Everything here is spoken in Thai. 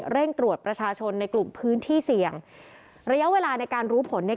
เร่งตรวจประชาชนในกลุ่มพื้นที่เสี่ยงระยะเวลาในการรู้ผลเนี่ย